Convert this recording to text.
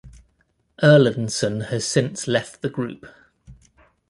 Erlandson has since left the group.